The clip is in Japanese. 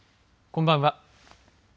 こんばんは。